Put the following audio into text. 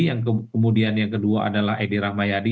yang kemudian yang kedua adalah edi rahmayadi